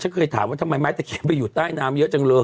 เคยถามว่าทำไมไม้ตะเคียนไปอยู่ใต้น้ำเยอะจังเลย